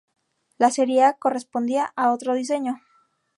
La serie A correspondía a otro diseño.